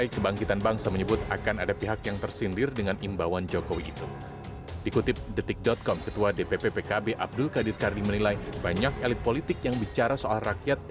jangan hanya pas mobil lihat saya dekat dekat dengan rakyat